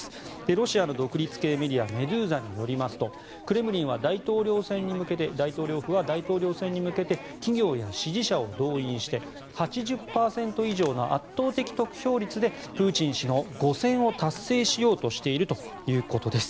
ロシアの独立系メディアメドゥーザによりますとクレムリンは大統領選に向けて大統領府は大統領選に向けて企業や支持者を動員して８０％以上の圧倒的得票率でプーチン氏の５選を達成しようとしているということです。